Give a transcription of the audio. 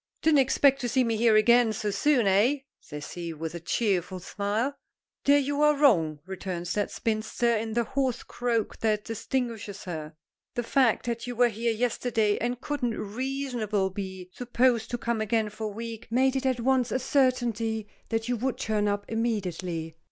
"Didn't expect to see me here again so soon, eh?" says he, with a cheerful smile. "There you are wrong," returns that spinster, in the hoarse croak that distinguishes her. "The fact that you were here yesterday and couldn't reasonably be supposed to come again for a week, made it at once a certainty that you would turn up immediately.